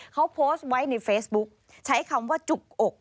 เขาโพสต์ไว้ในเฟซบุ๊กใช้คำว่าจุกอก